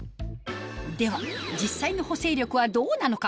では実際の補整力はどうなのか？